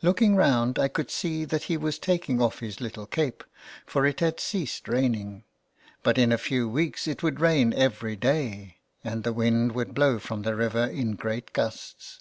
Looking round, I could see that he was taking off his little cape, for it had ceased raining. But in a few weeks it would rain every day, and the wind would blow from the river in great gusts.